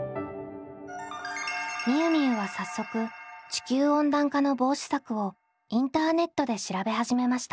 みゆみゆは早速地球温暖化の防止策をインターネットで調べ始めました。